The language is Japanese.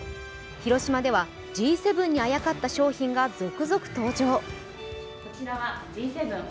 広島では、Ｇ７にあやかった商品が続々登場。